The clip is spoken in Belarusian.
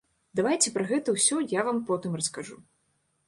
Давайце пра гэта ўсё я вам потым раскажу.